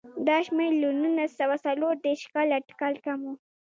دا شمېر له نولس سوه څلور دېرش کال اټکل کم و.